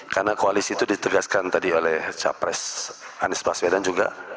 karena koalisi itu ditegaskan tadi oleh capres anies baswedan juga